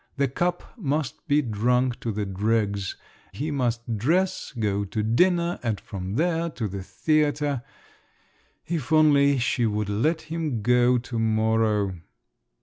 The cup must be drunk to the dregs, he must dress, go to dinner, and from there to the theatre…. If only she would let him go to morrow!